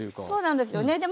そうなんですよね。